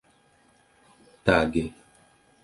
tage